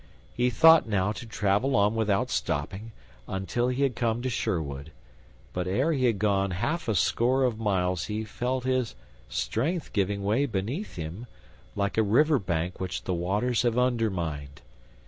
He thought now to travel on without stopping until he had come to Sherwood, but ere he had gone a half a score of miles he felt his strength giving way beneath him like a river bank which the waters have undermined.